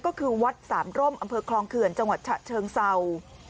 ก็คือวัดสามร่มอำเภอคลองเขื่อนจังหวัดฉะเชิงเศร้า